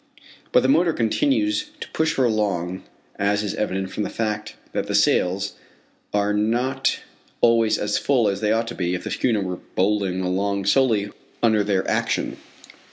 But the motor continues to push her along, as is evident from the fact that the sails are not always as full as they ought to be if the schooner were bowling along solely under their action.